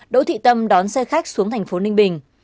đỗ thị tâm đón xe khách xuống thành phố ninh bình